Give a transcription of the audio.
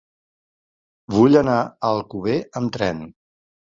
Vull anar a Alcover amb tren.